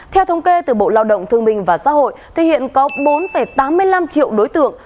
theo thống kê từ bộ lao động thương minh và xã hội thì hiện có bốn tám mươi năm triệu đối tượng